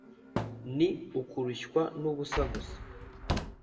Ni ukurushywa n’ubusa gusa